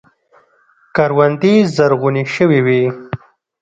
کروندې زرغونې شوې وې.